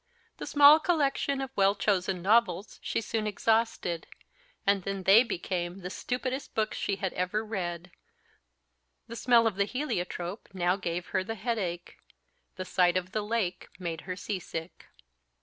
The small collection of well chosen novels she soon exhausted, and then they became the "stupidest books she had ever read;" the smell of the heliotrope now gave her the headache; the sight of the lake made her sea sick.